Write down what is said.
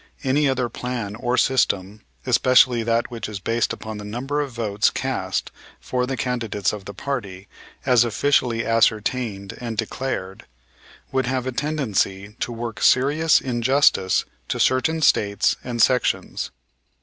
Any other plan or system, especially that which is based upon the number of votes cast for the candidates of the party as officially ascertained and declared, would have a tendency to work serious injustice to certain States and sections.